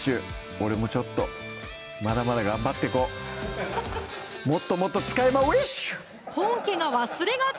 俺もちょっとまだまだ頑張ってこもっともっと本家が忘れがち！